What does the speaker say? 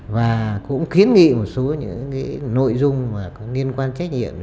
và cũng kiến nghị một số những nội dung liên quan trách nhiệm